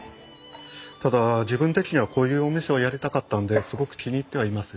ただ自分的にはこういうお店をやりたかったんですごく気に入ってはいます。